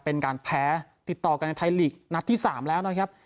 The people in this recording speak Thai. เป็นการแพ้ติดต่อกันในไทยลีกนัดที่๓แล้วนะครับ